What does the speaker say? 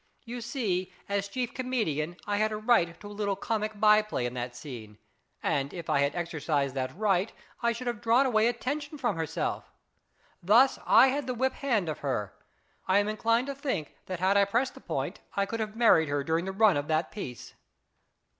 You see, as chief comedian I had a right to a little comic by play in that scene, and if I had exercised that right I should have drawn away attention from herself. Thus I had the whip hand of her. I am inclined to think that had I pressed the point I could have married her during the run of that piece."